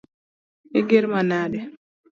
Igir manade?